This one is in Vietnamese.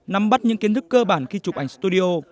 nắm bắt những kiến thức cơ bản khi chụp ảnh studio